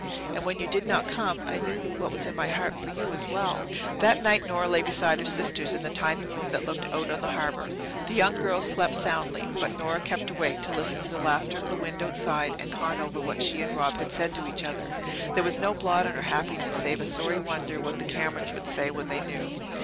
And when you did not come I knew what was in my heart for you as well." That night Nora lay beside her sisters in the tiny room that looked out on the harbour. The younger girls slept soundly, but Nora kept awake to listen to the laughter of the wind outside, and con over what she and Rob had said to each other. There was no blot on her happiness save a sorry wonder what the Camerons would say when they knew.